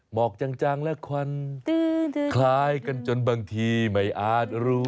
หมอกจังและควันคล้ายกันจนบางทีไม่อาจรู้